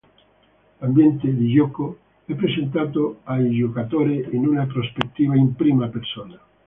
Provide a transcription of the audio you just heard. L'ambiente di gioco è presentato al giocatore in una prospettiva in prima persona.